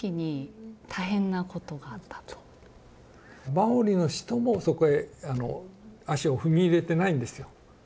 マオリの人もそこへ足を踏み入れてないんですよ。